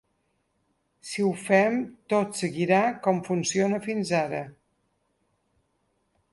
Si ho fem tot seguirà com funciona fins ara.